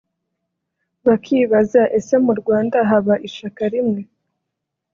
bakibaza ese mu Rwanda haba ishaka rimwe